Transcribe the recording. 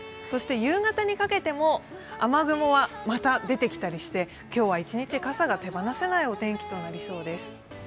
そして夕方にかけても雨雲はまた出てきたりして今日は一日傘が手放せないお天気となりそうです。